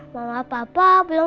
masa itu udah berakhir